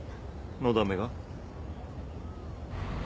のだめが？